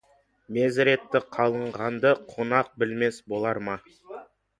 Мезіреті қылғанды, қонақ білмес болар ма.